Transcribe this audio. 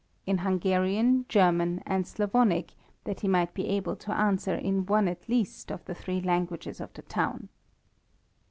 in Hungarian, German, and Slavonic, that he might be able to answer in one at least of the three languages of the town.